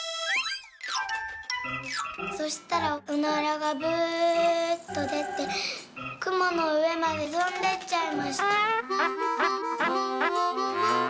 「そしたらおならが『ブーッ』とでてくものうえまでとんでっちゃいました」。